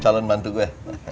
calon bantu gue